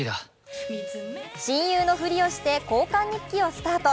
親友のふりをして交換日記スタート。